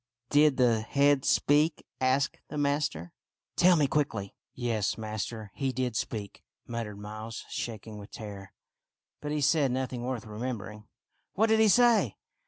" Did the head speak ?" asked the master. " Tell me quickly." " Yes, master, he did speak," muttered Miles, shaking with terror. " But he said nothing worth remembering." " What did he say